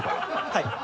はい。